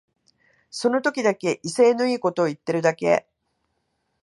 その時だけ威勢のいいこと言ってるだけ